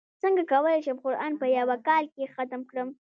څنګه کولی شم قران په یوه کال کې ختم کړم